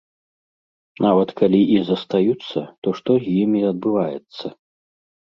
Нават калі і застаюцца, то што з імі адбываецца?